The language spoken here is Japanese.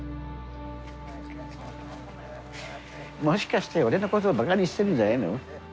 もしかして俺のことバカにしてるんじゃないの？